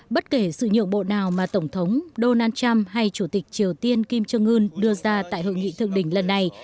bất kể sự nhượng bộ nào mà tổng thống donald trump hay chủ tịch triều tiên kim jong un đưa ra tại hội nghị thượng đỉnh lần này